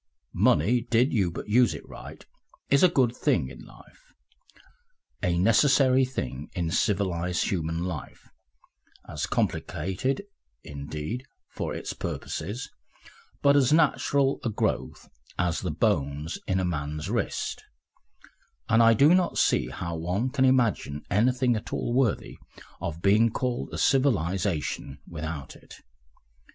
Money, did you but use it right, is a good thing in life, a necessary thing in civilised human life, as complicated, indeed, for its purposes, but as natural a growth as the bones in a man's wrist, and I do not see how one can imagine anything at all worthy of being called a civilisation without it.